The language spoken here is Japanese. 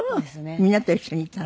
みんなと一緒にいたの？